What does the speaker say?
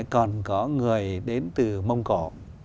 còn có người đến từ mông cổ